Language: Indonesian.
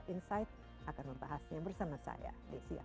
insight akan membahasnya bersama saya di siang